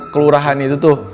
kelurahan itu tuh